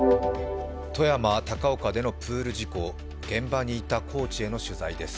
富山県高岡でのプール事故現場にいたコーチへの取材です。